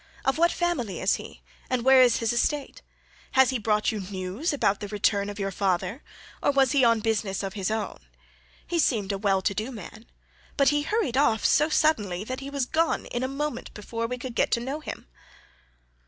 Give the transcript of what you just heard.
Of what family is he, and where is his estate? Has he brought you news about the return of your father, or was he on business of his own? He seemed a well to do man, but he hurried off so suddenly that he was gone in a moment before we could get to know him."